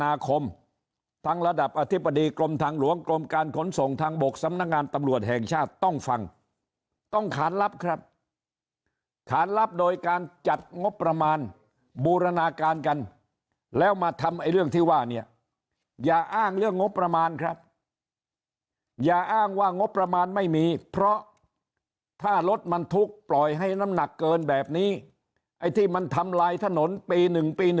ทางระดับอธิบดีกรมทางหลวงกรมการขนส่งทางบกสำนักงานตำรวจแห่งชาติต้องฟังต้องขานรับครับขานรับโดยการจัดงบประมาณบูรณาการกันแล้วมาทำไอ้เรื่องที่ว่าเนี่ยอย่าอ้างเรื่องงบประมาณครับอย่าอ้างว่างบประมาณไม่มีเพราะถ้ารถบรรทุกปล่อยให้น้ำหนักเกินแบบนี้ไอ้ที่มันทำลายถนนปี๑ปี๑